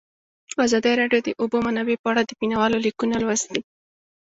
ازادي راډیو د د اوبو منابع په اړه د مینه والو لیکونه لوستي.